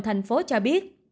thành phố cho biết